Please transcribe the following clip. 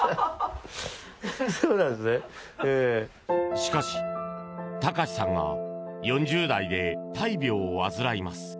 しかし、隆さんが４０代で大病を患います。